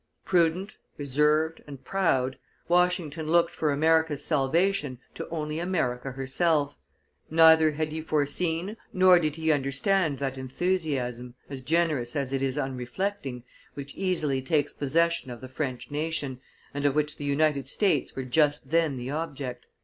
Prudent, reserved, and proud, Washington looked for America's salvation to only America herself; neither had he foreseen nor did he understand that enthusiasm, as generous as it is unreflecting, which easily takes possession of the French nation, and of which the United States were just then the object.